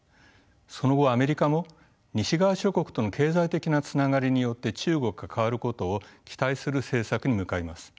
その後アメリカも西側諸国との経済的なつながりによって中国が変わることを期待する政策に向かいます。